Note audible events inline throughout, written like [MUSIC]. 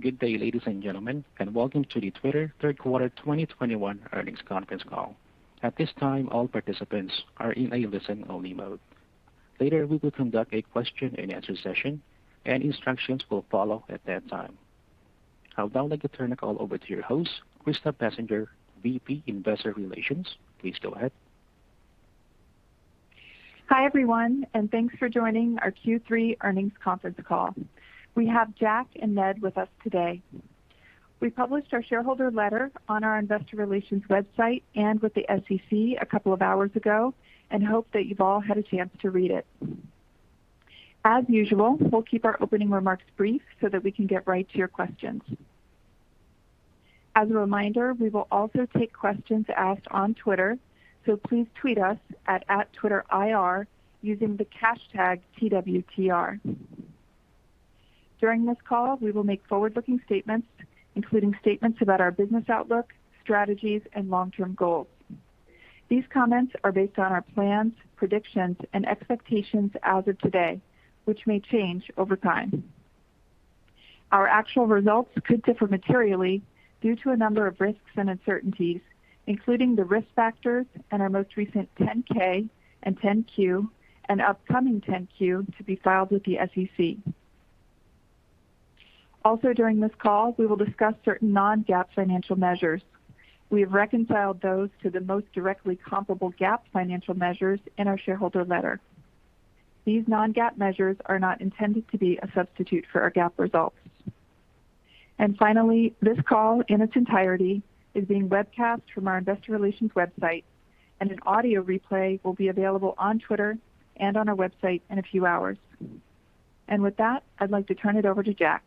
Good day, ladies and gentlemen, and welcome to the Twitter Third Quarter 2021 Earnings Conference Call. At this time, all participants are in a listen-only mode. Later, we will conduct a question-and-answer session, and instructions will follow at that time. I would now like to turn the call over to your host, Krista Bessinger, VP, Investor Relations. Please go ahead. Hi, everyone, and thanks for joining our Q3 earnings conference call. We have Jack and Ned with us today. We published our shareholder letter on our investor relations website and with the SEC a couple of hours ago and hope that you've all had a chance to read it. As usual, we'll keep our opening remarks brief so that we can get right to your questions. As a reminder, we will also take questions asked on Twitter, so please tweet us at @TwitterIR using the hashtag #TWTR. During this call, we will make forward-looking statements, including statements about our business outlook, strategies, and long-term goals. These comments are based on our plans, predictions, and expectations as of today, which may change over time. Our actual results could differ materially due to a number of risks and uncertainties, including the risk factors in our most recent Form 10-K and Form 10-Q and upcoming Form 10-Q to be filed with the SEC. Also, during this call, we will discuss certain non-GAAP financial measures. We have reconciled those to the most directly comparable GAAP financial measures in our shareholder letter. These non-GAAP measures are not intended to be a substitute for our GAAP results. Finally, this call in its entirety is being webcast from our investor relations website, and an audio replay will be available on Twitter and on our website in a few hours. With that, I'd like to turn it over to Jack.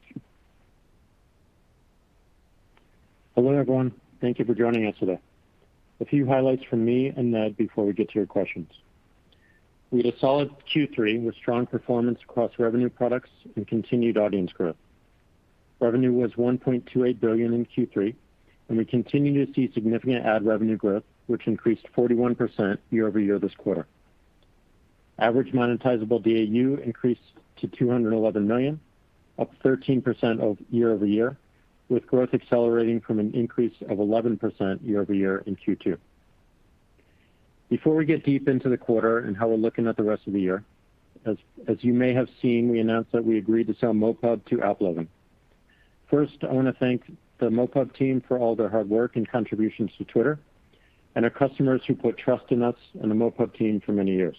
Hello, everyone. Thank you for joining us today. A few highlights from me and Ned before we get to your questions. We had a solid Q3 with strong performance across revenue products and continued audience growth. Revenue was $1.28 billion in Q3, and we continue to see significant ad revenue growth, which increased 41% year-over-year this quarter. Average monetizable DAU increased to 211 million, up 13% year-over-year, with growth accelerating from an increase of 11% year-over-year in Q2. Before we get deep into the quarter and how we're looking at the rest of the year, as you may have seen, we announced that we agreed to sell MoPub to AppLovin. First, I want to thank the MoPub team for all their hard work and contributions to Twitter and our customers who put trust in us and the MoPub team for many years.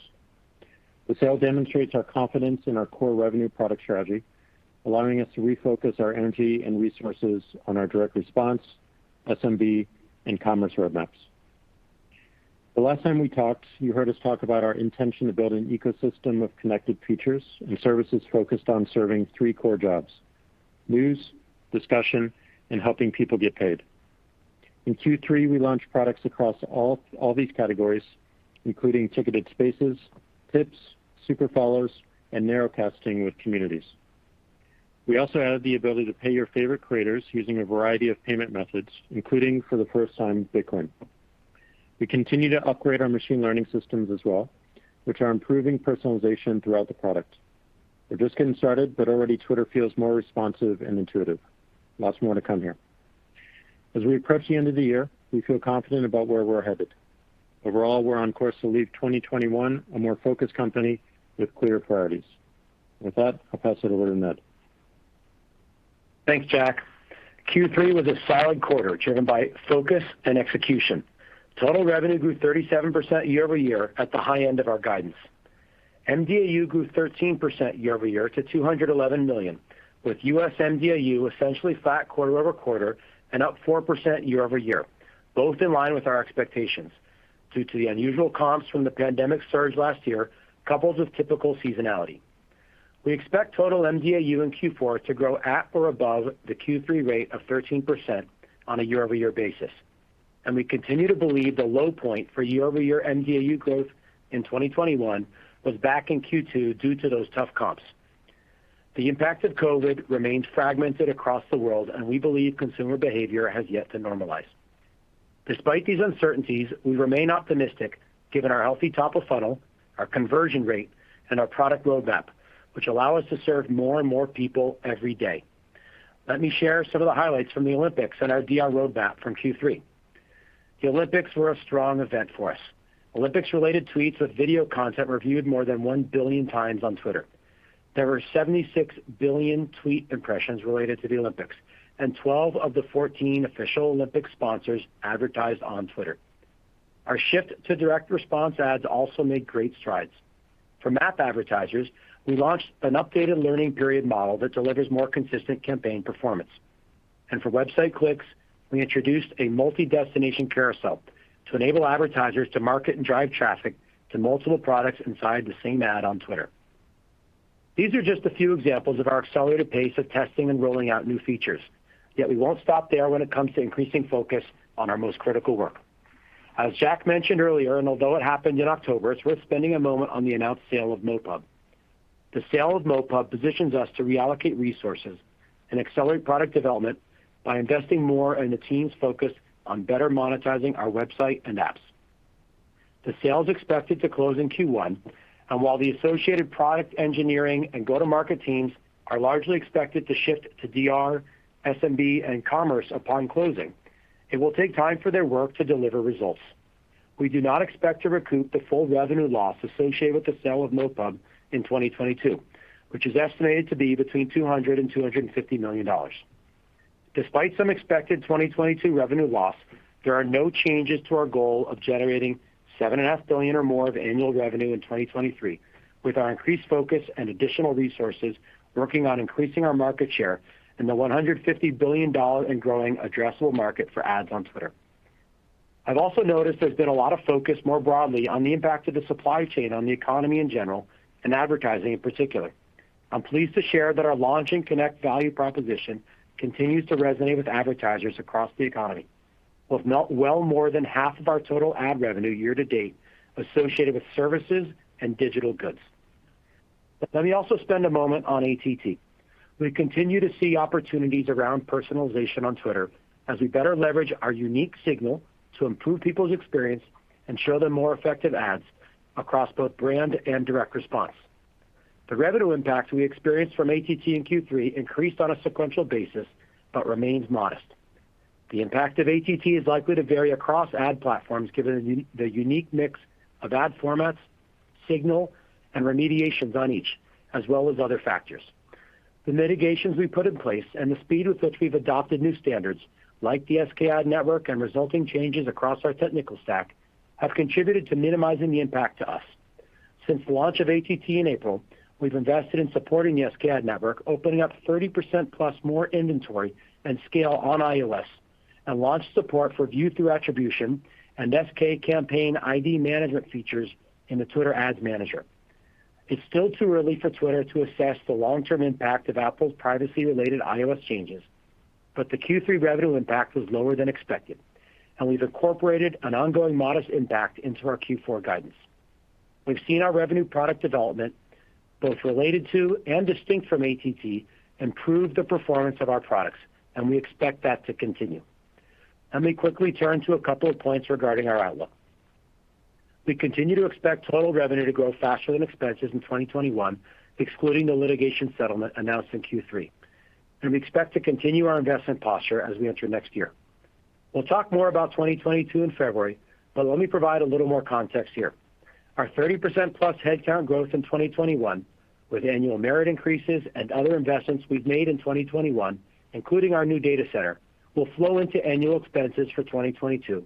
The sale demonstrates our confidence in our core revenue product strategy, allowing us to refocus our energy and resources on our direct response, SMB, and commerce roadmaps. The last time we talked, you heard us talk about our intention to build an ecosystem of connected features and services focused on serving three core jobs, news, discussion, and helping people get paid. In Q3, we launched products across all these categories, including Ticketed Spaces, Tips, Super Follows, and narrowcasting with Communities. We also added the ability to pay your favorite creators using a variety of payment methods, including for the first time, Bitcoin. We continue to upgrade our machine learning systems as well, which are improving personalization throughout the product. We're just getting started, but already Twitter feels more responsive and intuitive. Lots more to come here. As we approach the end of the year, we feel confident about where we're headed. Overall, we're on course to leave 2021 a more focused company with clear priorities. With that, I'll pass it over to Ned. Thanks, Jack. Q3 was a solid quarter, driven by focus and execution. Total revenue grew 37% year-over-year at the high end of our guidance. mDAU grew 13% year-over-year to 211 million, with U.S. mDAU essentially flat quarter-over-quarter and up 4% year-over-year, both in line with our expectations due to the unusual comps from the pandemic surge last year, coupled with typical seasonality. We expect total mDAU in Q4 to grow at or above the Q3 rate of 13% on a year-over-year basis. We continue to believe the low point for year-over-year mDAU growth in 2021 was back in Q2 due to those tough comps. The impact of COVID remains fragmented across the world, and we believe consumer behavior has yet to normalize. Despite these uncertainties, we remain optimistic given our healthy top-of-funnel, our conversion rate, and our product roadmap, which allow us to serve more and more people every day. Let me share some of the highlights from the Olympics and our DR roadmap from Q3. The Olympics were a strong event for us. Olympics-related tweets with video content were viewed more than 1 billion times on Twitter. There were 76 billion tweet impressions related to the Olympics, and 12 of the 14 official Olympic sponsors advertised on Twitter. Our shift to direct response ads also made great strides. For MAP advertisers, we launched an updated learning period model that delivers more consistent campaign performance. For website clicks, we introduced a Multi-Destination Carousel to enable advertisers to market and drive traffic to multiple products inside the same ad on Twitter. These are just a few examples of our accelerated pace of testing and rolling out new features. Yet we won't stop there when it comes to increasing focus on our most critical work. As Jack mentioned earlier, and although it happened in October, it's worth spending a moment on the announced sale of MoPub. The sale of MoPub positions us to reallocate resources and accelerate product development by investing more in the team's focus on better monetizing our website and apps. The sale is expected to close in Q1, and while the associated product engineering and go-to-market teams are largely expected to shift to DR, SMB, and commerce upon closing, it will take time for their work to deliver results. We do not expect to recoup the full revenue loss associated with the sale of MoPub in 2022, which is estimated to be between $200 million and $250 million. Despite some expected 2022 revenue loss, there are no changes to our goal of generating $7.5 billion or more of annual revenue in 2023, with our increased focus and additional resources working on increasing our market share in the $150 billion and growing addressable market for ads on Twitter. I've also noticed there's been a lot of focus more broadly on the impact of the supply chain on the economy in general and advertising in particular. I'm pleased to share that our Launch and Connect value proposition continues to resonate with advertisers across the economy, with more than half of our total ad revenue year to date associated with services and digital goods. Let me also spend a moment on ATT. We continue to see opportunities around personalization on Twitter as we better leverage our unique signal to improve people's experience and show them more effective ads across both brand and direct response. The revenue impact we experienced from ATT in Q3 increased on a sequential basis, but remains modest. The impact of ATT is likely to vary across ad platforms, given the unique mix of ad formats, signal, and remediations on each, as well as other factors. The mitigations we put in place and the speed with which we've adopted new standards, like the SKAdNetwork and resulting changes across our technical stack, have contributed to minimizing the impact to us. Since the launch of ATT in April, we've invested in supporting the SKAdNetwork, opening up 30% plus more inventory and scale on iOS, and launched support for view-through attribution and SKAdNetwork Campaign ID management features in the Twitter Ads Manager. It's still too early for Twitter to assess the long-term impact of Apple's privacy-related iOS changes, but the Q3 revenue impact was lower than expected, and we've incorporated an ongoing modest impact into our Q4 guidance. We've seen our revenue and product development, both related to and distinct from ATT, improve the performance of our products, and we expect that to continue. Let me quickly turn to a couple of points regarding our outlook. We continue to expect total revenue to grow faster than expenses in 2021, excluding the litigation settlement announced in Q3, and we expect to continue our investment posture as we enter next year. We'll talk more about 2022 in February, but let me provide a little more context here. Our 30+% headcount growth in 2021, with annual merit increases and other investments we've made in 2021, including our new data center, will flow into annual expenses for 2022,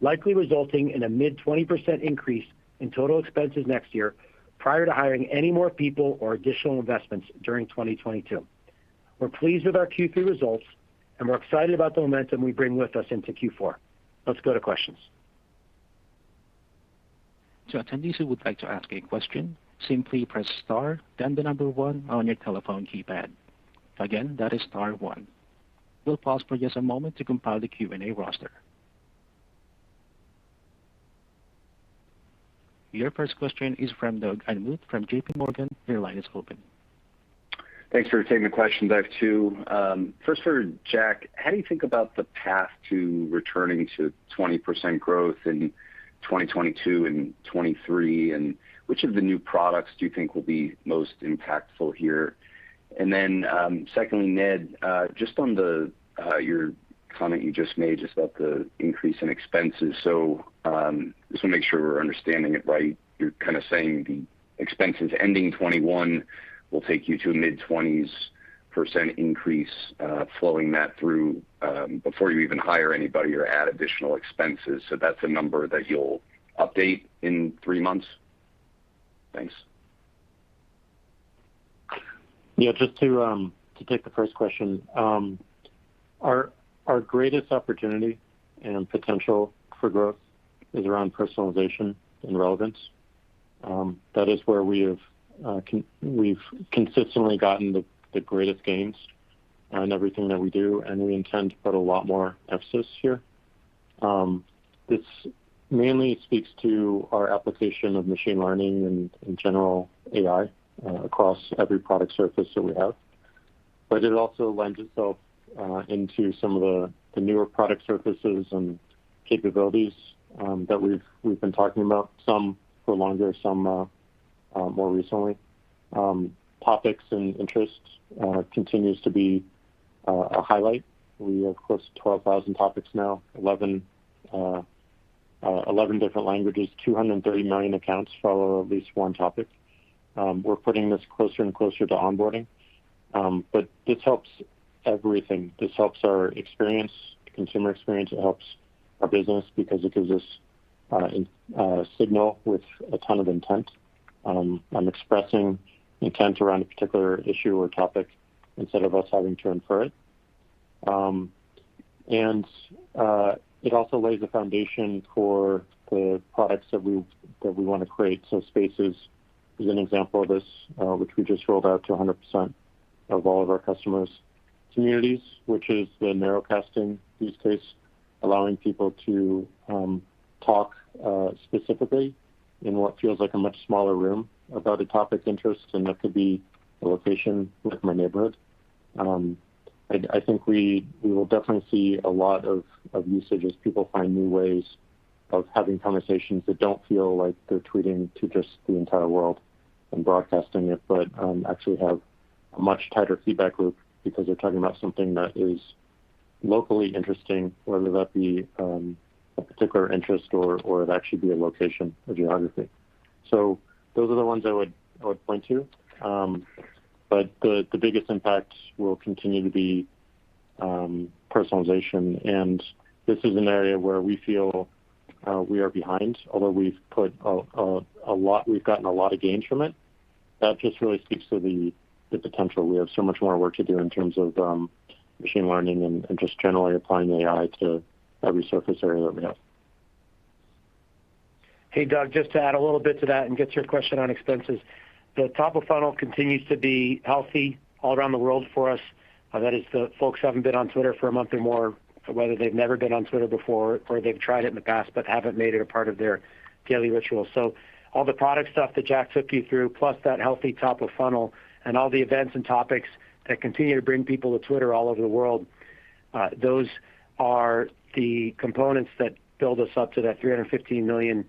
likely resulting in a mid-20% increase in total expenses next year prior to hiring any more people or additional investments during 2022. We're pleased with our Q3 results, and we're excited about the momentum we bring with us into Q4. Let's go to questions. To attendees who would like to ask a question, simply press star then the number one on your telephone keypad. Again, that is star one. We'll pause for just a moment to compile the Q&A roster. Your first question is from Doug Anmuth from JPMorgan. Your line is open. Thanks for taking the question, Doug, too. First for Jack, how do you think about the path to returning to 20% growth in 2022 and 2023, and which of the new products do you think will be most impactful here? Secondly, Ned, just on your comment you just made about the increase in expenses. Just wanna make sure we're understanding it right. You're kinda saying the expenses ending 2021 will take you to a mid-20s% increase, flowing that through, before you even hire anybody or add additional expenses. That's a number that you'll update in three months? Thanks. Yeah. Just to take the first question. Our greatest opportunity and potential for growth is around personalization and relevance. That is where we've consistently gotten the greatest gains on everything that we do, and we intend to put a lot more emphasis here. This mainly speaks to our application of machine learning and general AI across every product surface that we have. It also lends itself into some of the newer product surfaces and capabilities that we've been talking about, some for longer, some more recently. Topics and interests continues to be a highlight. We have close to 12,000 topics now, 11 different languages, 230 million accounts follow at least one topic. We're putting this closer and closer to onboarding. This helps everything. This helps our experience, consumer experience. It helps our business because it gives us a signal with a ton of intent on expressing intent around a particular issue or topic instead of us having to infer it. It also lays the foundation for the products that we wanna create. Spaces is an example of this, which we just rolled out to 100% of all of our customers. Communities, which is the narrowcasting use case, allowing people to talk specifically. In what feels like a much smaller room about a topic of interest, and that could be a location like my neighborhood. I think we will definitely see a lot of usage as people find new ways of having conversations that don't feel like they're tweeting to just the entire world and broadcasting it, but actually have a much tighter feedback loop because they're talking about something that is locally interesting, whether that be a particular interest or it actually be a location, a geography. Those are the ones I would point to. The biggest impact will continue to be personalization, and this is an area where we feel we are behind, although we've gotten a lot of gains from it. That just really speaks to the potential. We have so much more work to do in terms of machine learning and just generally applying AI to every surface area that we have. Hey, Doug, just to add a little bit to that and get your question on expenses. The top of funnel continues to be healthy all around the world for us, that is the folks who haven't been on Twitter for a month or more, whether they've never been on Twitter before or they've tried it in the past but haven't made it a part of their daily ritual. All the product stuff that Jack took you through, plus that healthy top of funnel and all the events and topics that continue to bring people to Twitter all over the world, those are the components that build us up to that 315 million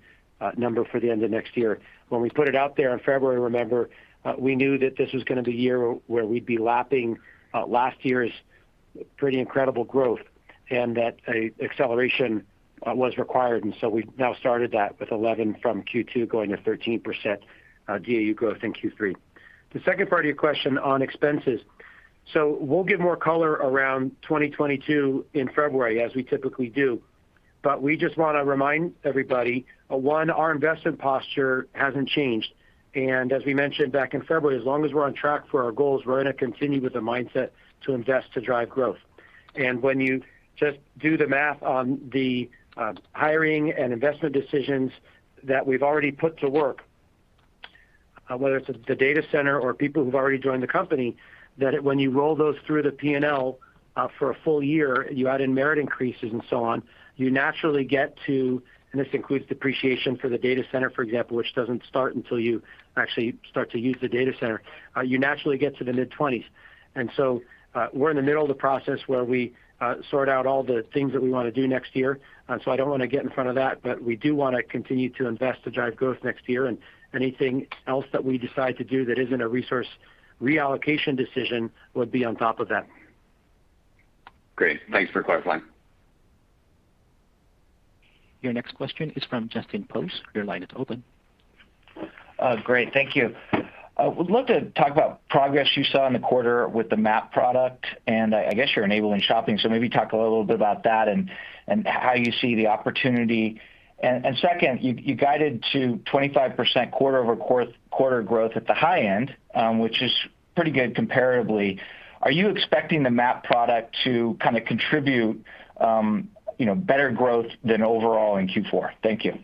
number for the end of next year. When we put it out there in February, remember, we knew that this was gonna be a year where we'd be lapping last year's pretty incredible growth and that acceleration was required, and so we've now started that with 11% from Q2 going to 13% DAU growth in Q3. The second part of your question on expenses. We'll give more color around 2022 in February, as we typically do. We just wanna remind everybody, one, our investment posture hasn't changed. As we mentioned back in February, as long as we're on track for our goals, we're gonna continue with the mindset to invest to drive growth. When you just do the math on the hiring and investment decisions that we've already put to work, whether it's the data center or people who've already joined the company, when you roll those through the P&L for a full year, you add in merit increases and so on, you naturally get to, and this includes depreciation for the data center, for example, which doesn't start until you actually start to use the data center, you naturally get to the mid-20s. We're in the middle of the process where we sort out all the things that we wanna do next year. I don't wanna get in front of that, but we do wanna continue to invest to drive growth next year and anything else that we decide to do that isn't a resource reallocation decision would be on top of that. Great. Thanks for clarifying. Your next question is from Justin Post. Your line is open. Great, thank you. Would love to talk about progress you saw in the quarter with the MAP product and I guess you're enabling shopping, so maybe talk a little bit about that and how you see the opportunity. Second, you guided to 25% quarter-over-quarter growth at the high end, which is pretty good comparably. Are you expecting the MAP product to kinda contribute, you know, better growth than overall in Q4? Thank you.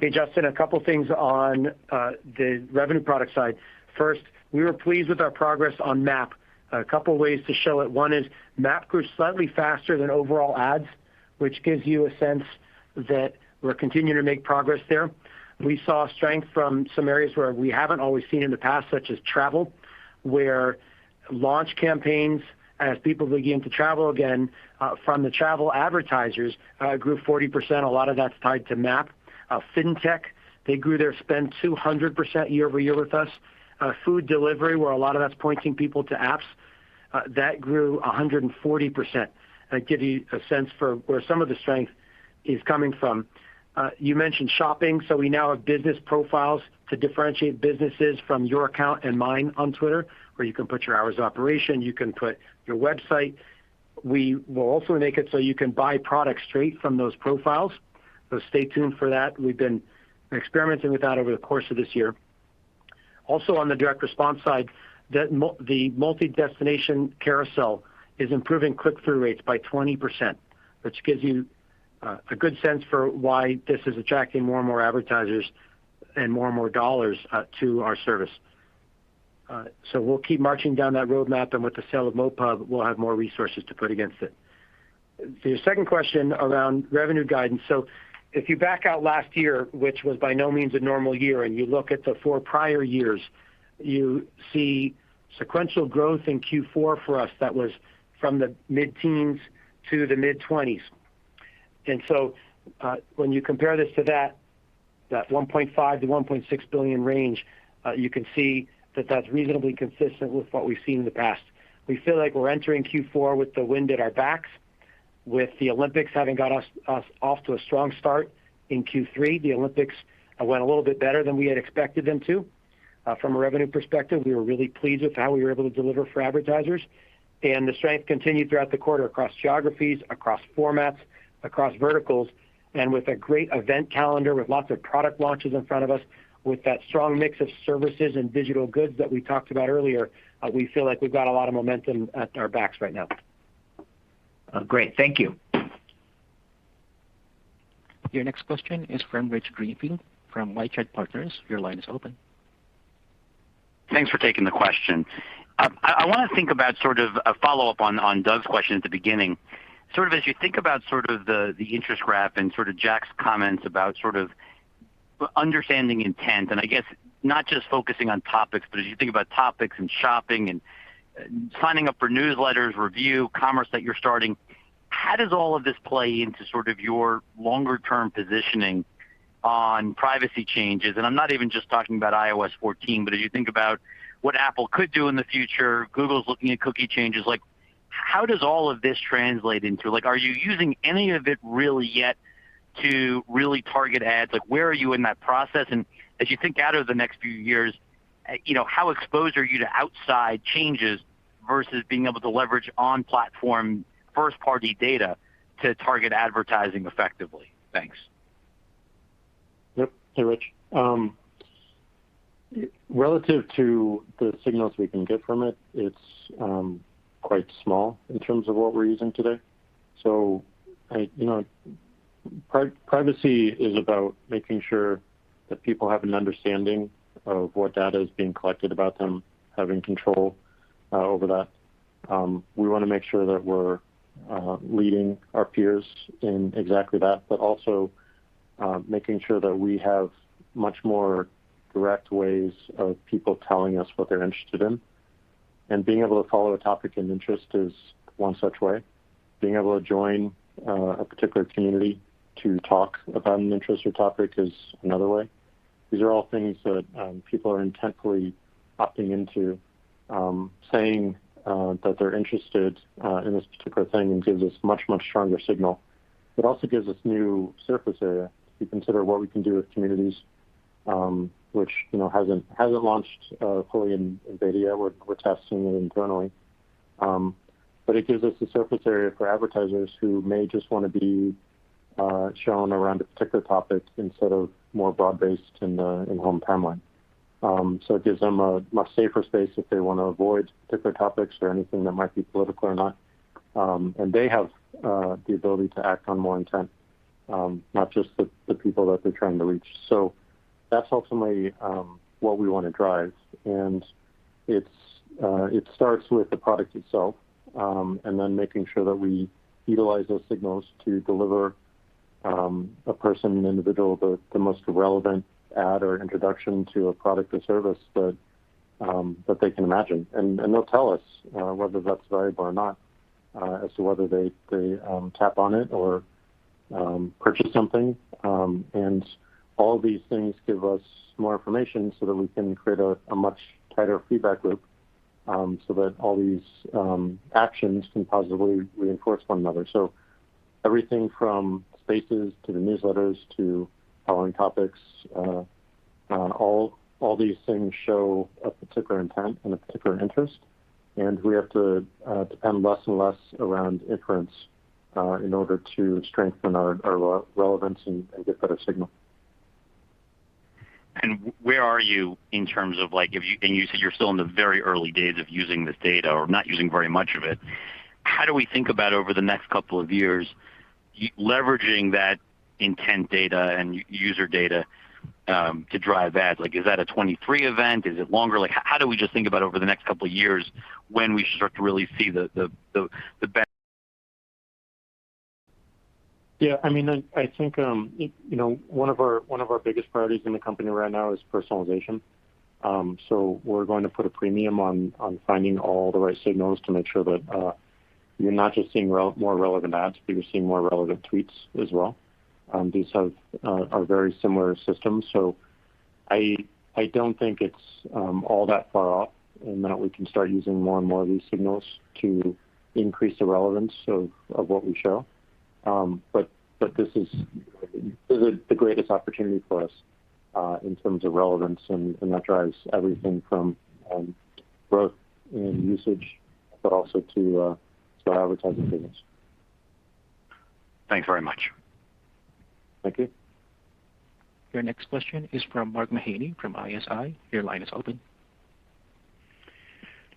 Hey, Justin, a couple things on the revenue product side. First, we were pleased with our progress on MAP. A couple ways to show it. One is MAP grew slightly faster than overall ads, which gives you a sense that we're continuing to make progress there. We saw strength from some areas where we haven't always seen in the past, such as travel, where launch campaigns, as people begin to travel again, from the travel advertisers, grew 40%. A lot of that's tied to MAP. Fintech, they grew their spend 200% year-over-year with us. Food delivery, where a lot of that's pointing people to apps, that grew 140%. That gives you a sense for where some of the strength is coming from. You mentioned shopping, so we now have Business Profiles to differentiate businesses from your account and mine on Twitter, where you can put your hours of operation, you can put your website. We will also make it so you can buy products straight from those profiles. Stay tuned for that. We've been experimenting with that over the course of this year. Also on the direct response side, the Multi-Destination Carousel is improving click-through rates by 20%, which gives you a good sense for why this is attracting more and more advertisers and more and more dollars to our service. We'll keep marching down that roadmap, and with the sale of MoPub, we'll have more resources to put against it. To your second question around revenue guidance. If you back out last year, which was by no means a normal year, and you look at the four prior years, you see sequential growth in Q4 for us that was from the mid-teens to the mid-20s. When you compare this to that $1.5 billion-$1.6 billion range, you can see that that's reasonably consistent with what we've seen in the past. We feel like we're entering Q4 with the wind at our backs, with the Olympics having got us off to a strong start in Q3. The Olympics went a little bit better than we had expected them to. From a revenue perspective, we were really pleased with how we were able to deliver for advertisers. The strength continued throughout the quarter across geographies, across formats, across verticals. With a great event calendar, with lots of product launches in front of us, with that strong mix of services and digital goods that we talked about earlier, we feel like we've got a lot of momentum at our backs right now. Great. Thank you. Your next question is from Rich Greenfield from LightShed Partners. Your line is open. Thanks for taking the question. I wanna think about sort of a follow-up on Doug's question at the beginning. Sort of as you think about sort of the interest graph and sort of Jack's comments about sort of but understanding intent, and I guess not just focusing on topics, but as you think about topics and shopping and signing up for newsletters, Revue, commerce that you're starting, how does all of this play into sort of your longer-term positioning on privacy changes? I'm not even just talking about iOS 14, but as you think about what Apple could do in the future, Google's looking at cookie changes. Like, how does all of this translate into. Like, are you using any of it really yet to really target ads? Like, where are you in that process? As you think about the next few years, you know, how exposed are you to outside changes versus being able to leverage on-platform first-party data to target advertising effectively? Thanks. Yep. Hey, Rich. Relative to the signals we can get from it's quite small in terms of what we're using today. I, you know, privacy is about making sure that people have an understanding of what data is being collected about them, having control over that. We wanna make sure that we're leading our peers in exactly that, but also making sure that we have much more direct ways of people telling us what they're interested in. Being able to follow a topic and interest is one such way. Being able to join a particular community to talk about an interest or topic is another way. These are all things that people are intently opting into, saying that they're interested in this particular thing and gives us much, much stronger signal. It also gives us new surface area to consider what we can do with Communities, which, you know, hasn't launched fully in beta. We're testing it internally. It gives us a surface area for advertisers who may just wanna be shown around a particular topic instead of more broad-based in the home timeline. It gives them a much safer space if they wanna avoid particular topics or anything that might be political or not. They have the ability to act on more intent, not just the people that they're trying to reach. That's ultimately what we wanna drive. It starts with the product itself, and then making sure that we utilize those signals to deliver to a person, an individual, the most relevant ad or introduction to a product or service that they can imagine. They'll tell us whether that's valuable or not, as to whether they tap on it or purchase something. All these things give us more information so that we can create a much tighter feedback loop, so that all these actions can positively reinforce one another. Everything from Spaces to the newsletters to following topics, all these things show a particular intent and a particular interest, and we have to depend less and less on inference in order to strengthen our relevance and get better signal. Where are you in terms of, like, you said you're still in the very early days of using this data or not using very much of it. How do we think about over the next couple of years leveraging that intent data and user data to drive ads? Like, is that a 2023 event? Is it longer? Like, how do we just think about over the next couple of years when we start to really see the be-? [AUDIO DISTORTION] Yeah, I mean, I think, you know, one of our biggest priorities in the company right now is personalization. We're going to put a premium on finding all the right signals to make sure that you're not just seeing more relevant ads, but you're seeing more relevant tweets as well. These have a very similar system, so I don't think it's all that far off and that we can start using more and more of these signals to increase the relevance of what we show. This is, you know, the greatest opportunity for us in terms of relevance and that drives everything from growth and usage, but also to our advertising business. Thanks very much. Thank you. Your next question is from Mark Mahaney from ISI. Your line is open.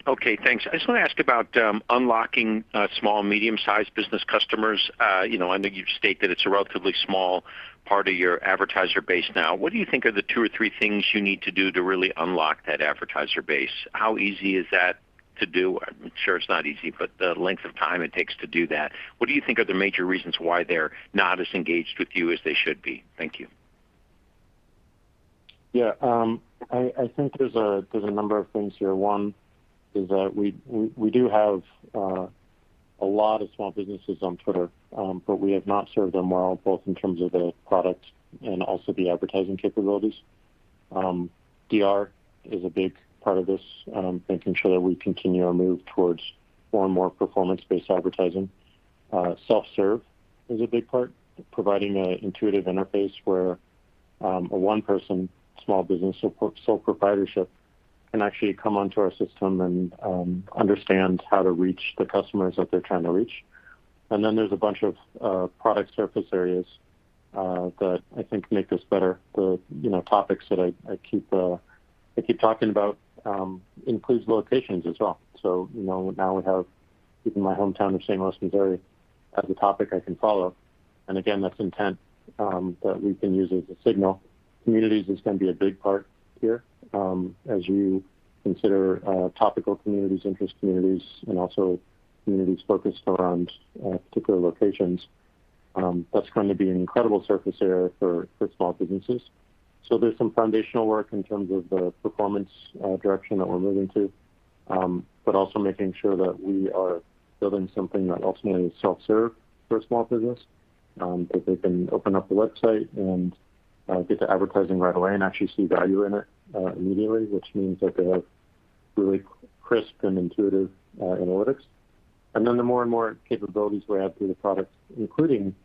Okay, thanks. I just wanna ask about unlocking small, medium-sized business customers. You know, I know you've stated it's a relatively small part of your advertiser base now. What do you think are the two or three things you need to do to really unlock that advertiser base? How easy is that to do? I'm sure it's not easy, but the length of time it takes to do that. What do you think are the major reasons why they're not as engaged with you as they should be? Thank you. Yeah. I think there's a number of things here. One is that we do have a lot of small businesses on Twitter, but we have not served them well, both in terms of the product and also the advertising capabilities. DR is a big part of this, making sure that we continue our move towards more and more performance-based advertising. Self-serve is a big part, providing a intuitive interface where a one-person small business or sole proprietorship can actually come onto our system and understand how to reach the customers that they're trying to reach. Then there's a bunch of product surface areas that I think make this better. You know, topics that I keep talking about includes locations as well. You know, now we have even my hometown of St. Louis, Missouri, as a topic I can follow. Again, that's intent that we can use as a signal. Communities is gonna be a big part here, as you consider topical communities, interest communities, and also communities focused around particular locations. That's going to be an incredible surface area for small businesses. There's some foundational work in terms of the performance direction that we're moving to, but also making sure that we are building something that ultimately is self-serve for a small business that they can open up the website and get to advertising right away and actually see value in it immediately, which means that they have really crisp and intuitive analytics. The more and more capabilities we add to the product, including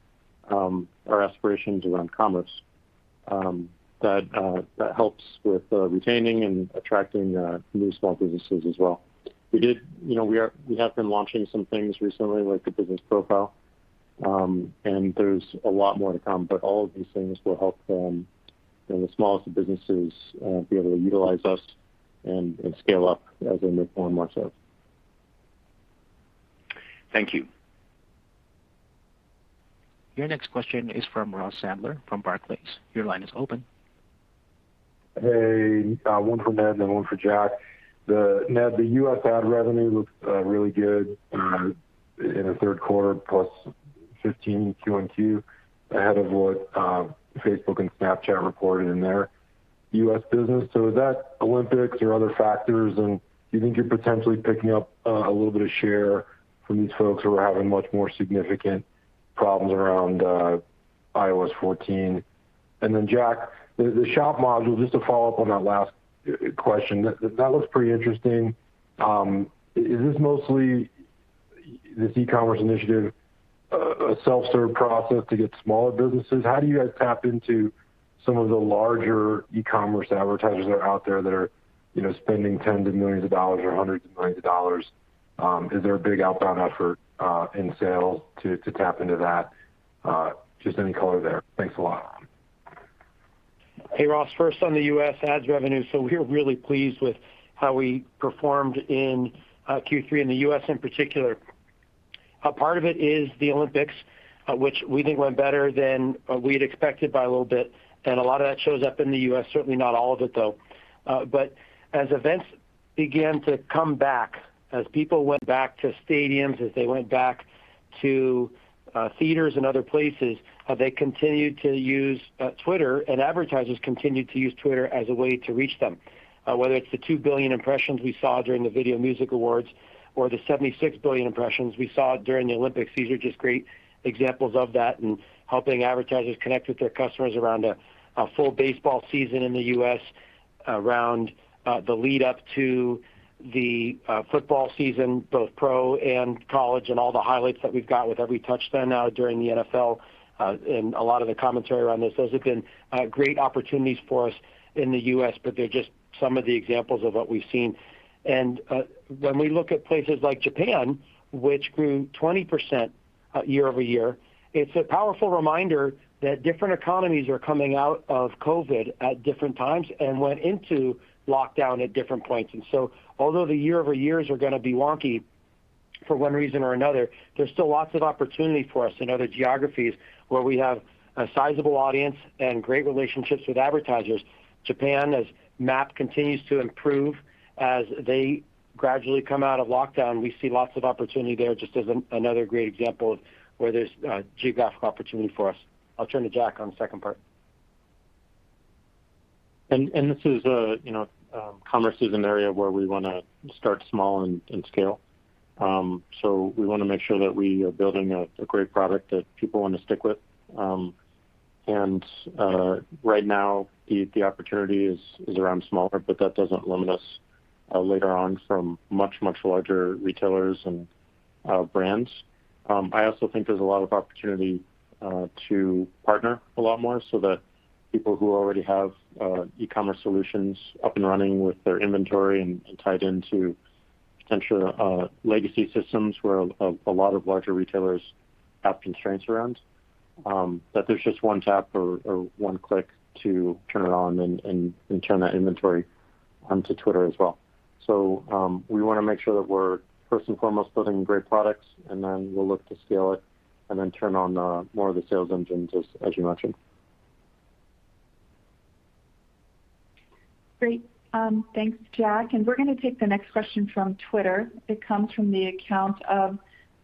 our aspirations around commerce, that helps with retaining and attracting new small businesses as well. You know, we have been launching some things recently, like the business profile. There's a lot more to come, but all of these things will help them, you know, the smallest of businesses, be able to utilize us and scale up as they move more and more so. Thank you. Your next question is from Ross Sandler from Barclays. Your line is open. Hey. One for Ned and then one for Jack. Ned, the U.S. ad revenue looked really good in the third quarter, +15% quarter-over-quarter, ahead of what Facebook and Snapchat reported in their U.S. business. Is that Olympics or other factors? Do you think you're potentially picking up a little bit of share from these folks who are having much more significant problems around iOS 14? Jack, the Shop Module, just to follow up on that last question, that looks pretty interesting. Is this mostly this e-commerce initiative a self-serve process to get smaller businesses? How do you guys tap into some of the larger e-commerce advertisers that are out there that are you know spending tens of millions of dollars or hundreds of millions of dollars? Is there a big outbound effort in sales to tap into that? Just any color there. Thanks a lot. Hey, Ross. First on the U.S. ads revenue. We're really pleased with how we performed in Q3 in the U.S. in particular. A part of it is the Olympics, which we think went better than we'd expected by a little bit, and a lot of that shows up in the U.S. Certainly not all of it, though. As events began to come back, as people went back to stadiums, as they went back to theaters and other places, they continued to use Twitter and advertisers continued to use Twitter as a way to reach them. Whether it's the 2 billion impressions we saw during the Video Music Awards or the 76 billion impressions we saw during the Olympics, these are just great examples of that and helping advertisers connect with their customers around a full baseball season in the U.S., around the lead up to the football season, both pro and college, and all the highlights that we've got with every touchdown during the NFL. A lot of the commentary around this. Those have been great opportunities for us in the U.S., but they're just some of the examples of what we've seen. When we look at places like Japan, which grew 20% year-over-year, it's a powerful reminder that different economies are coming out of COVID at different times and went into lockdown at different points. Although the year-over-year are gonna be wonky for one reason or another, there's still lots of opportunity for us in other geographies where we have a sizable audience and great relationships with advertisers. Japan, as MAP continues to improve, as they gradually come out of lockdown, we see lots of opportunity there just as another great example of where there's geographic opportunity for us. I'll turn to Jack on the second part. This is, you know, commerce is an area where we wanna start small and scale. We wanna make sure that we are building a great product that people want to stick with. Right now the opportunity is around smaller, but that doesn't limit us later on from much larger retailers and brands. I also think there's a lot of opportunity to partner a lot more so that people who already have e-commerce solutions up and running with their inventory and tied into potential legacy systems where a lot of larger retailers have constraints around that there's just one tap or one click to turn it on and turn that inventory onto Twitter as well. We wanna make sure that we're first and foremost building great products, and then we'll look to scale it and then turn on more of the sales engines as you mentioned. Great. Thanks, Jack. We're gonna take the next question from Twitter. It comes from the account of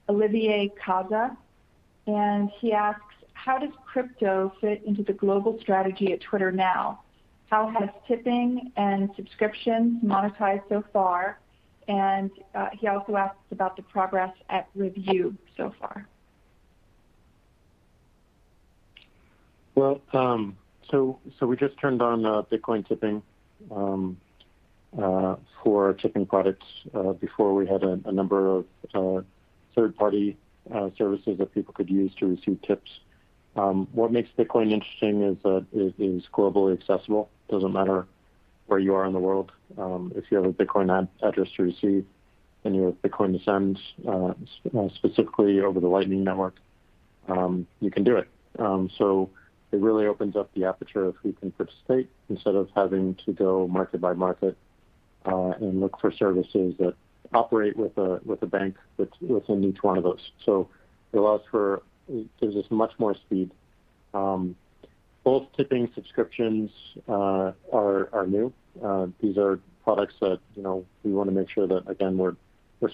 Olivier Caza, and he asks, "How does crypto fit into the global strategy at Twitter now? How has tipping and subscriptions monetized so far?" He also asks about the progress at Revue so far. We just turned on Bitcoin tipping for our tipping products. Before we had a number of third-party services that people could use to receive tips. What makes Bitcoin interesting is that it is globally accessible. Doesn't matter where you are in the world. If you have a Bitcoin address to receive and you have Bitcoin to send, specifically over the Lightning Network, you can do it. It really opens up the aperture of who can participate instead of having to go market by market and look for services that operate with a bank that's within each one of those. It gives us much more speed. Both tipping subscriptions are new. These are products that, you know, we wanna make sure that, again, we're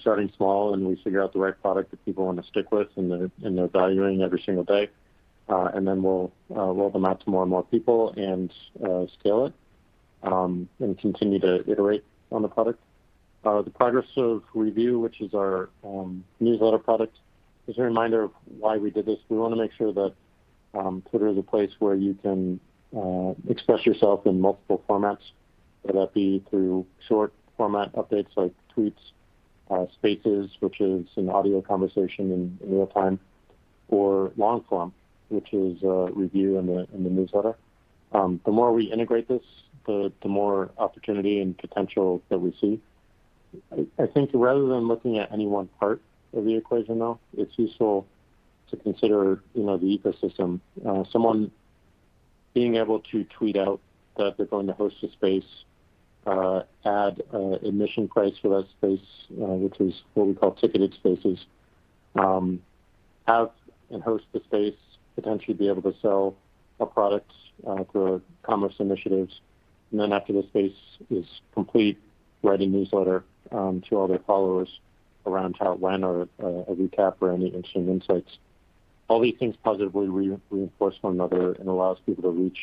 starting small and we figure out the right product that people want to stick with and they're valuing every single day. Then we'll roll them out to more and more people and scale it and continue to iterate on the product. The progress of Revue, which is our newsletter product, is a reminder of why we did this. We wanna make sure that Twitter is a place where you can express yourself in multiple formats, whether that be through short format updates like tweets, Spaces, which is an audio conversation in real time, or long form, which is a Revue in the newsletter. The more we integrate this, the more opportunity and potential that we see. I think rather than looking at any one part of the equation though, it's useful to consider, you know, the ecosystem. Someone being able to tweet out that they're going to host a space, add an admission price for that space, which is what we call Ticketed Spaces, have and host the space, potentially be able to sell a product through commerce initiatives. After the space is complete, write a newsletter to all their followers around how it went or a recap or any interesting insights. All these things positively reinforce one another and allows people to reach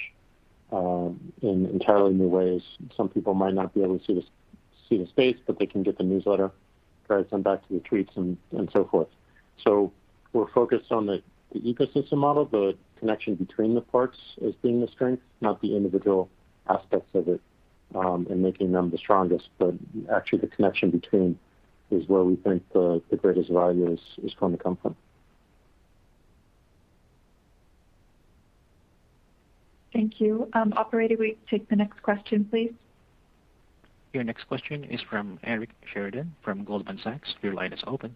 in entirely new ways. Some people might not be able to see the space, but they can get the newsletter, try to send back to the tweets and so forth. We're focused on the ecosystem model, the connection between the parts as being the strength, not the individual aspects of it, and making them the strongest. Actually the connection between is where we think the greatest value is going to come from. Thank you. Operator, we take the next question, please. Your next question is from Eric Sheridan from Goldman Sachs. Your line is open.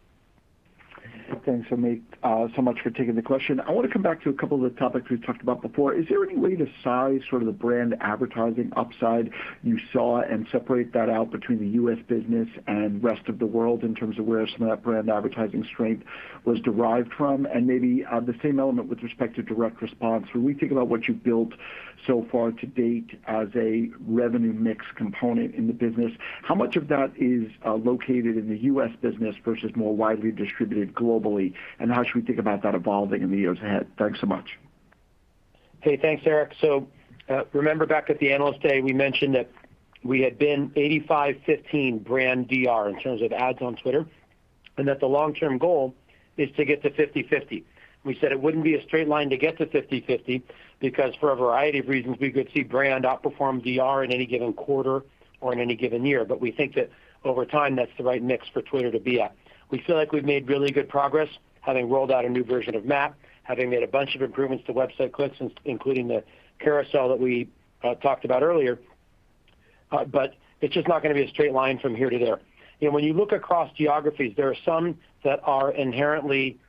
Thanks so much for taking the question. I want to come back to a couple of the topics we've talked about before. Is there any way to size sort of the brand advertising upside you saw and separate that out between the U.S. business and rest of the world in terms of where some of that brand advertising strength was derived from? And maybe, the same element with respect to direct response. When we think about what you've built so far to date as a revenue mix component in the business, how much of that is, located in the U.S. business versus more widely distributed globally? And how should we think about that evolving in the years ahead? Thanks so much. Hey, thanks, Eric. Remember back at the Analyst Day, we mentioned that we had been 85/15 brand DR in terms of ads on Twitter, and that the long-term goal is to get to 50/50. We said it wouldn't be a straight line to get to 50/50 because for a variety of reasons, we could see brand outperform DR in any given quarter or in any given year. We think that over time, that's the right mix for Twitter to be at. We feel like we've made really good progress having rolled out a new version of MAP, having made a bunch of improvements to website clicks, including the carousel that we talked about earlier. It's just not going to be a straight line from here to there. You know, when you look across geographies, there are some that are inherently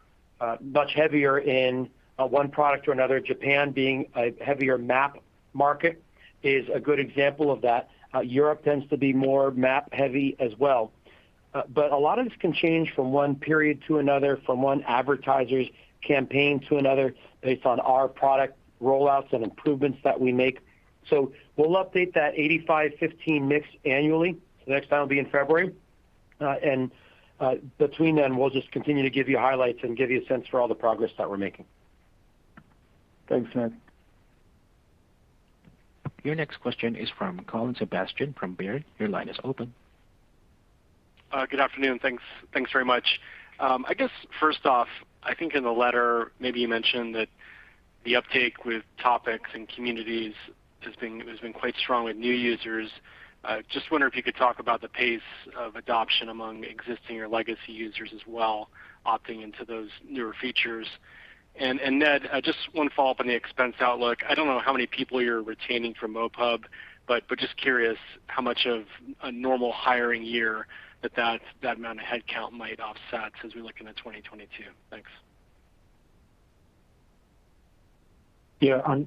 much heavier in one product or another. Japan being a heavier MAP market is a good example of that. Europe tends to be more MAP heavy as well. But a lot of this can change from one period to another, from one advertiser's campaign to another based on our product rollouts and improvements that we make. We'll update that 85/15 mix annually. The next time will be in February. Between then, we'll just continue to give you highlights and give you a sense for all the progress that we're making. Thanks, Ned. Your next question is from Colin Sebastian from Baird. Your line is open. Good afternoon. Thanks very much. I guess first off, I think in the letter, maybe you mentioned that the uptake with topics and communities has been quite strong with new users. I just wonder if you could talk about the pace of adoption among existing or legacy users as well, opting into those newer features. Ned, just one follow-up on the expense outlook. I don't know how many people you're retaining from MoPub, but just curious how much of a normal hiring year that amount of headcount might offset as we look into 2022. Thanks.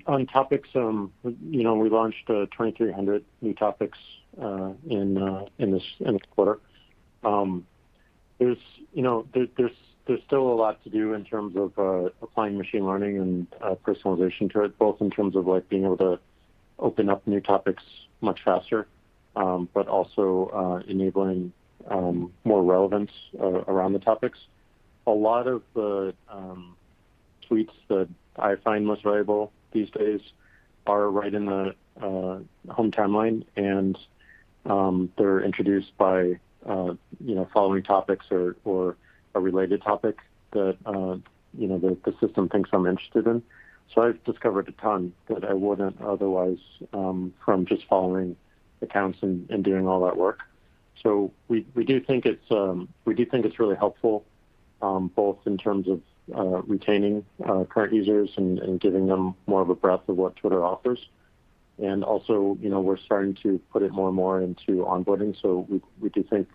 On topics, you know, we launched 2,300 new topics in this quarter. There's, you know, still a lot to do in terms of applying machine learning and personalization to it, both in terms of like being able to open up new topics much faster, but also enabling more relevance around the topics. A lot of the tweets that I find most valuable these days are right in the home timeline, and they're introduced by you know, following topics or a related topic that you know, the system thinks I'm interested in. I've discovered a ton that I wouldn't otherwise from just following accounts and doing all that work. We do think it's really helpful both in terms of retaining current users and giving them more of a breadth of what Twitter offers. Also, you know, we're starting to put it more and more into onboarding. We do think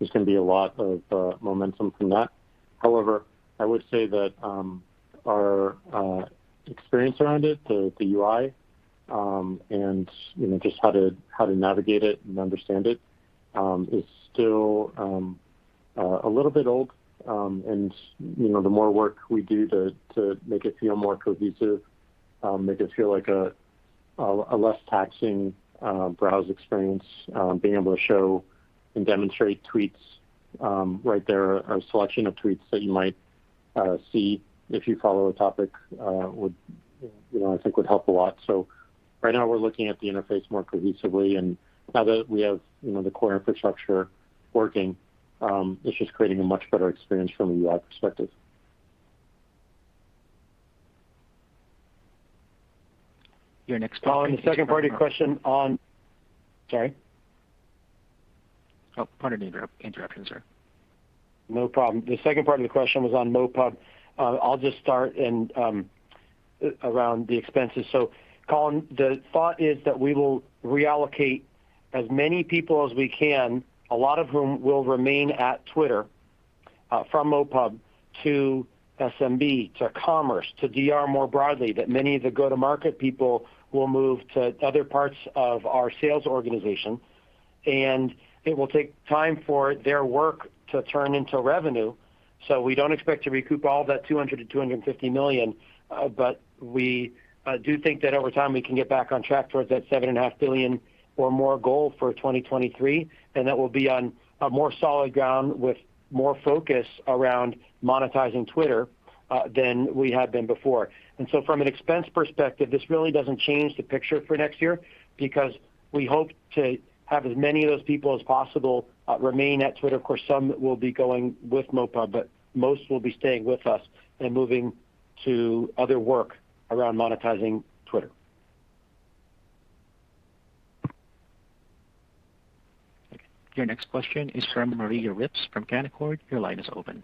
there's gonna be a lot of momentum from that. However, I would say that our experience around it, the UI, and, you know, just how to navigate it and understand it is still a little bit old. You know, the more work we do to make it feel more cohesive, make it feel like a less taxing browse experience, being able to show and demonstrate tweets right there, a selection of tweets that you might see if you follow a topic, would, you know, I think would help a lot. Right now we're looking at the interface more cohesively and now that we have, you know, the core infrastructure working, it's just creating a much better experience from a UI perspective. Your next question. Colin, the second part of the question. Sorry. Oh, pardon the interruption, sir. No problem. The second part of the question was on MoPub. I'll just start and around the expenses. Colin, the thought is that we will reallocate as many people as we can, a lot of whom will remain at Twitter, from MoPub to SMB, to commerce, to DR more broadly, that many of the go-to-market people will move to other parts of our sales organization. It will take time for their work to turn into revenue, so we don't expect to recoup all that $200 million-$250 million. But we do think that over time we can get back on track towards that $7.5 billion or more goal for 2023, and that we'll be on a more solid ground with more focus around monetizing Twitter than we have been before. From an expense perspective, this really doesn't change the picture for next year because we hope to have as many of those people as possible remain at Twitter. Of course, some will be going with MoPub, but most will be staying with us and moving to other work around monetizing Twitter. Your next question is from Maria Ripps from Canaccord. Your line is open.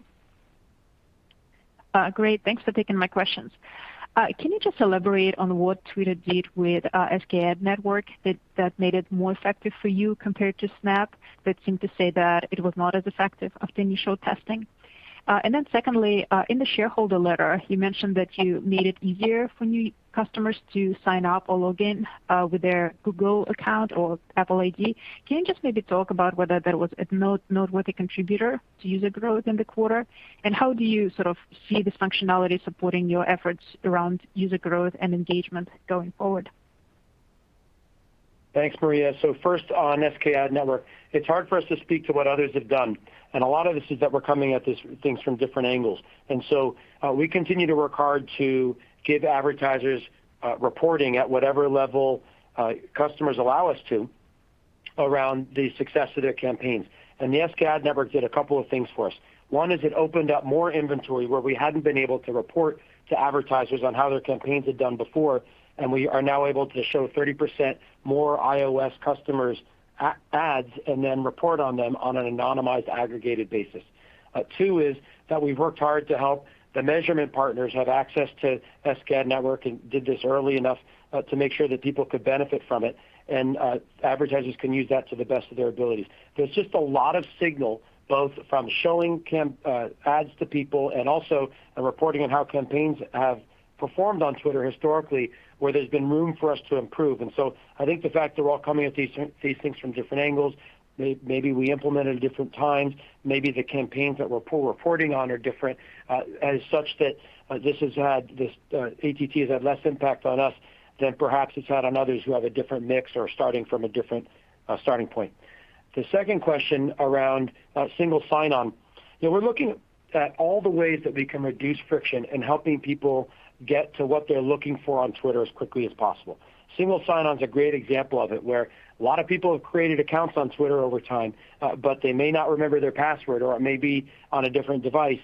Great. Thanks for taking my questions. Can you just elaborate on what Twitter did with SKAdNetwork that made it more effective for you compared to Snap that seemed to say that it was not as effective after initial testing? And then secondly, in the shareholder letter, you mentioned that you made it easier for new customers to sign up or log in with their Google account or Apple ID. Can you just maybe talk about whether that was a noteworthy contributor to user growth in the quarter? How do you sort of see this functionality supporting your efforts around user growth and engagement going forward? Thanks, Maria. First on SKAdNetwork, it's hard for us to speak to what others have done, and a lot of this is that we're coming at these things from different angles. We continue to work hard to give advertisers reporting at whatever level customers allow us to around the success of their campaigns. The SKAdNetwork did a couple of things for us. One is it opened up more inventory where we hadn't been able to report to advertisers on how their campaigns had done before, and we are now able to show 30% more iOS customers ads and then report on them on an anonymized, aggregated basis. Two is that we've worked hard to help the measurement partners have access to SKAdNetwork and did this early enough to make sure that people could benefit from it and advertisers can use that to the best of their abilities. There's just a lot of signal, both from showing ads to people and also reporting on how campaigns have performed on Twitter historically, where there's been room for us to improve. I think the fact that we're all coming at these things from different angles, maybe we implemented at different times, maybe the campaigns that we report poorly on are different, as such that ATT has had less impact on us than perhaps it's had on others who have a different mix or starting from a different starting point. The second question around single sign on. You know, we're looking at all the ways that we can reduce friction in helping people get to what they're looking for on Twitter as quickly as possible. Single sign on is a great example of it, where a lot of people have created accounts on Twitter over time, but they may not remember their password or it may be on a different device.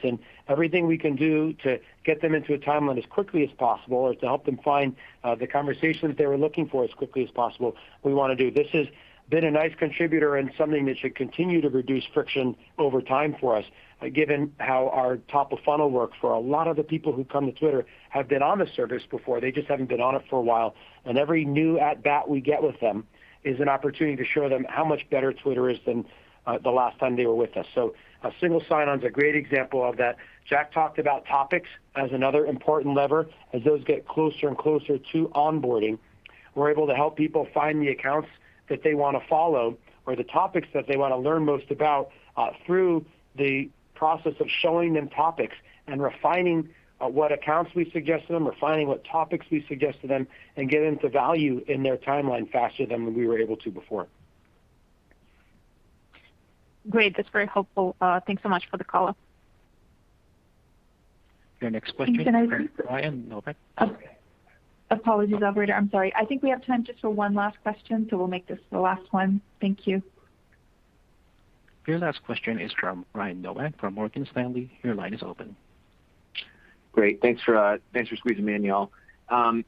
Everything we can do to get them into a timeline as quickly as possible or to help them find the conversations they were looking for as quickly as possible, we wanna do. This has been a nice contributor and something that should continue to reduce friction over time for us, given how our top of funnel works, for a lot of the people who come to Twitter have been on the service before. They just haven't been on it for a while, and every new at bat we get with them is an opportunity to show them how much better Twitter is than the last time they were with us. A single sign on is a great example of that. Jack talked about topics as another important lever. As those get closer and closer to onboarding, we're able to help people find the accounts that they wanna follow or the topics that they wanna learn most about through the process of showing them topics and refining what accounts we suggest to them, refining what topics we suggest to them, and get them to value in their timeline faster than we were able to before. Great. That's very helpful. Thanks so much for the call. Your next question. Can I please... Brian Nowak. Apologies, operator. I'm sorry. I think we have time just for one last question, so we'll make this the last one. Thank you. Your last question is from Brian Nowak from Morgan Stanley. Your line is open. Great. Thanks for squeezing me in, y'all. I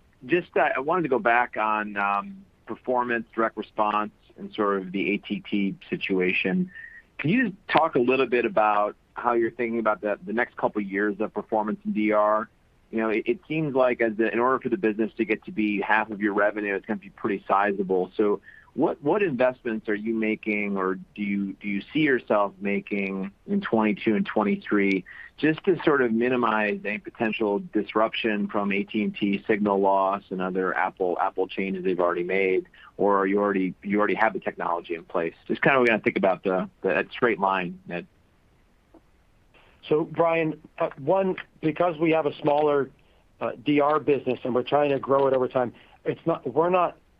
wanted to go back on Performance, direct response, and sort of the ATT situation. Can you just talk a little bit about how you're thinking about the next couple years of performance in DR? You know, it seems like in order for the business to get to be half of your revenue, it's gonna be pretty sizable. So what investments are you making or do you see yourself making in 2022 and 2023, just to sort of minimize any potential disruption from ATT signal loss and other Apple changes they've already made or you already have the technology in place? Just kinda what you're gonna think about that straight line, Ned. Brian, one, because we have a smaller DR business and we're trying to grow it over time, it's not.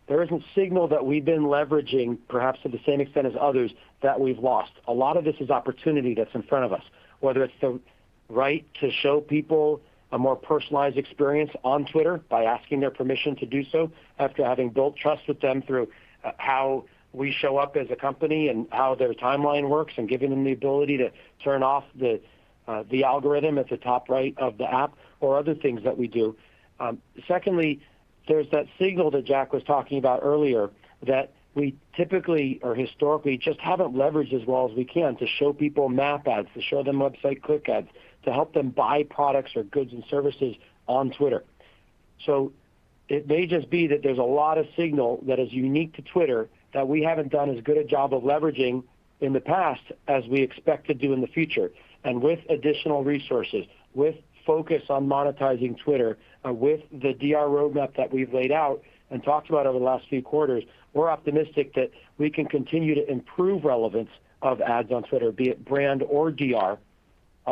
There isn't signal that we've been leveraging perhaps to the same extent as others that we've lost. A lot of this is opportunity that's in front of us, whether it's the right to show people a more personalized experience on Twitter by asking their permission to do so after having built trust with them through how we show up as a company and how their timeline works and giving them the ability to turn off the algorithm at the top right of the app or other things that we do. Secondly, there's that signal that Jack was talking about earlier that we typically or historically just haven't leveraged as well as we can to show people MAP ads, to show them website click ads, to help them buy products or goods and services on Twitter. It may just be that there's a lot of signal that is unique to Twitter that we haven't done as good a job of leveraging in the past as we expect to do in the future. With additional resources, with focus on monetizing Twitter, with the DR roadmap that we've laid out and talked about over the last few quarters, we're optimistic that we can continue to improve relevance of ads on Twitter, be it brand or DR,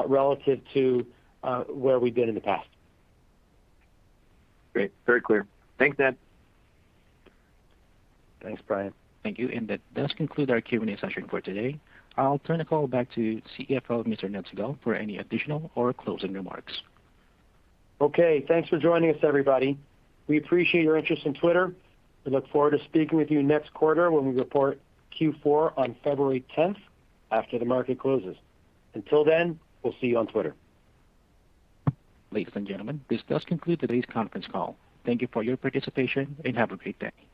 relative to where we've been in the past. Great. Very clear. Thanks, Ned. Thanks, Brian. Thank you. That does conclude our Q&A session for today. I'll turn the call back to CFO, Mr. Ned Segal, for any additional or closing remarks. Okay. Thanks for joining us, everybody. We appreciate your interest in Twitter. We look forward to speaking with you next quarter when we report Q4 on February tenth, after the market closes. Until then, we'll see you on Twitter. Ladies and gentlemen, this does conclude today's conference call. Thank you for your participation, and have a great day.